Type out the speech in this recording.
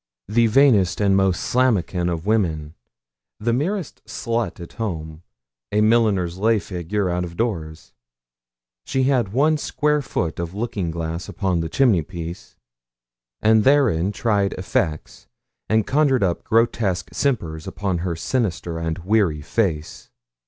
The vainest and most slammakin of women the merest slut at home, a milliner's lay figure out of doors she had one square foot of looking glass upon the chimneypiece, and therein tried effects, and conjured up grotesque simpers upon her sinister and weary face.